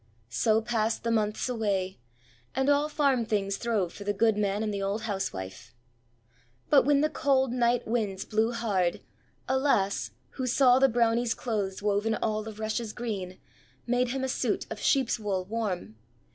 So passed the months away, and all farm things throve for the goodman and the old housewife. But when the cold night winds blew hard, a lass, who saw the Brownie's clothes woven all of rushes green, made him a suit of sheep's wool warm.